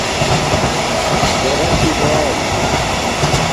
ڈاراشݸ بائ